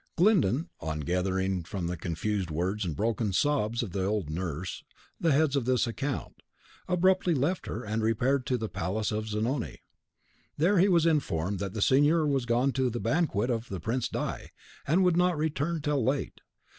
Glyndon, on gathering from the confused words and broken sobs of the old nurse the heads of this account, abruptly left her, and repaired to the palace of Zanoni. There he was informed that the signor was gone to the banquet of the Prince di , and would not return till late.